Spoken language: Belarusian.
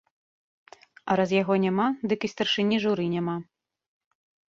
А раз яго няма, дык і старшыні журы няма.